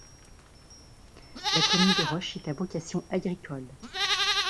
La commune de Roche est à vocation agricole.